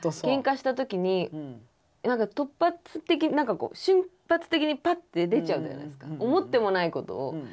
ケンカした時に突発的に何かこう瞬発的にパッて出ちゃうじゃないですか思ってもないことを。